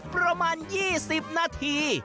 ประมาณ๒๐นาที